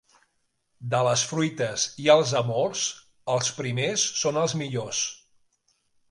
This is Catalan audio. De les fruites i els amors, els primers són els millors.